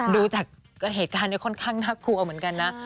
ดูจากเหตุการณ์นี้ค่อนข้างน่ากลัวเหมือนกันนะ